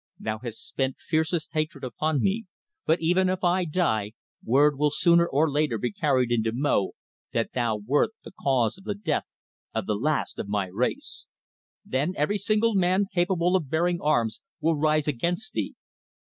"Thou hast spent fiercest hatred upon me, but even if I die, word will sooner or later be carried into Mo that thou wert the cause of the death of the last of my race. Then every man capable of bearing arms will rise against thee.